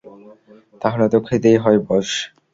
তাহলে তো খেতেই হয়, বস।